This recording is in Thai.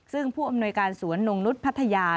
ซึ่งผู้อำนวยการสวนนงนุษย์พัทยา